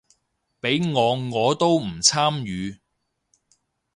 畀我我都唔參與